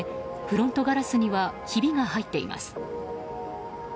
フロントガラスにはひびが入っています。